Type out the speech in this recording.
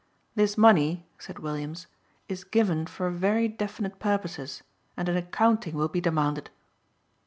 "This money," said Williams, "is given for very definite purposes and an accounting will be demanded."